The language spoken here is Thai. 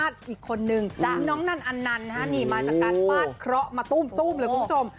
ประชาติอีกคนนึงน้องนั้นอันนั้นหนีมาจากการปลาดเคราะห์มาตู้มเลยคุณผู้ชม